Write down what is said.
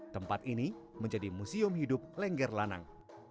tempat ini menjadi museum hidup lengger lanang